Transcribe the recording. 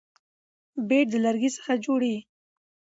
بیټ د لرګي څخه جوړ يي.